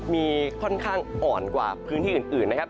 มีค่อนข้างอ่อนกว่าพื้นที่อื่นนะครับ